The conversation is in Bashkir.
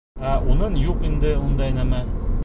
Ә уның юҡ инде ундай нәмә.